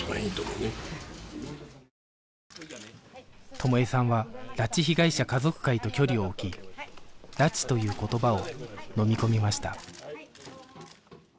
友枝さんは拉致被害者家族会と距離を置き「拉致」という言葉をのみ込みました